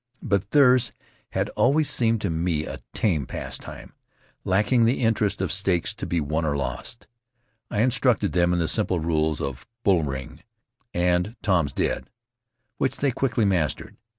But theirs had always seemed to me a tame pastime, lacking the interest of stakes to be Rutiaro won or lost. I instructed them in the simple rules of "bull ring" and "Tom's dead," which they quickly mastered.